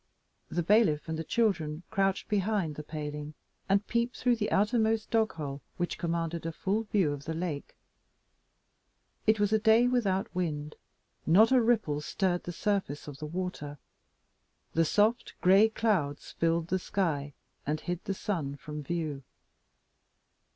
The bailiff and the children crouched behind the paling, and peeped through the outermost dog hole, which commanded a full view of the lake. It was a day without wind; not a ripple stirred the surface of the water; the soft gray clouds filled all the sky, and hid the sun from view.